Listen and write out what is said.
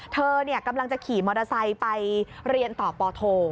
เธอกำลังจะขี่มอเตอร์ไซค์ไปเรียนต่อปโท